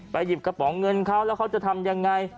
ไปหยิบกระป๋องเงินเขาแล้วท่านจะทำอย่างไร